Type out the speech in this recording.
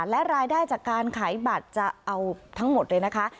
และรายได้จากการขายบัตรจะเอาทั้งหมดเลยนะคะ